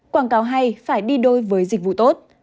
quảng cáo hay phải đi đôi với dịch vụ tốt